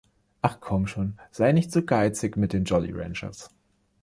Ach, komm schon, sei nicht so geizig mit den Jolly Ranchers.